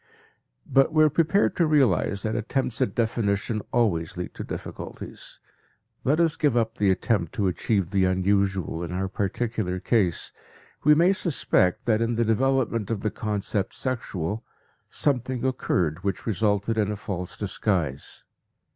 But we are prepared to realize that attempts at definition always lead to difficulties; let us give up the attempt to achieve the unusual in our particular case. We may suspect that in the development of the concept "sexual" something occurred which resulted in a false disguise.